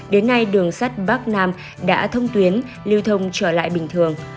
đến nay đường sắt bắc nam đã thông tuyến lưu thông trở lại bình thường